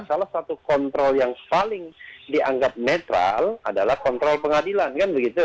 salah satu kontrol yang paling dianggap netral adalah kontrol pengadilan kan begitu